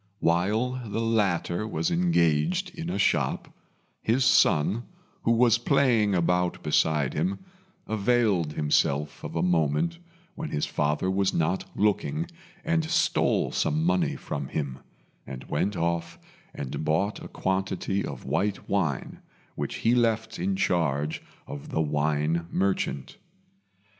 While the latter was engaged in a shop, his son, who was playing about beside him, availed himself of a moment when his father was not looking and stole some money from him, and went off and bought a quantity of white wine, which he left in charge of the wine merchant.